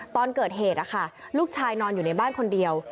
ตอนเกิดเหตุลูกชายนอนอยู่ในบ้านคนเดียว